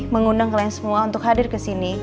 mengundang semuanya untuk hadir ke sini